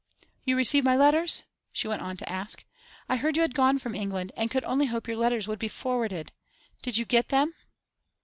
'You received my letters?' she went on to ask. 'I heard you had gone from England, and could only hope your letters would be forwarded. Did you get them?